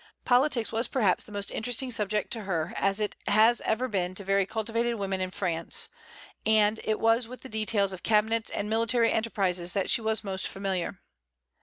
Politics was perhaps the most interesting subject to her, as it has ever been to very cultivated women in France; and it was with the details of cabinets and military enterprises that she was most familiar.